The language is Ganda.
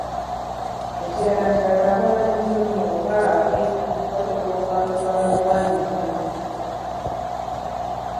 Ekirala nti abo ababa n’ensonyi oba abeetya basobola okwanukula mu buwandiike.